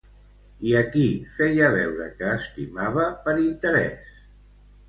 I a qui feia veure que estimava per interès?